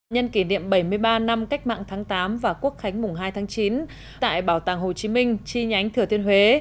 nhân kỷ niệm bảy mươi ba năm cách mạng tháng tám và quốc khánh mùng hai tháng chín tại bảo tàng hồ chí minh chi nhánh thừa thiên huế